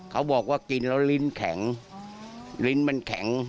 เขาบอกว่ากินแล้วลิ้นแข็งลิ้นมันแข็ง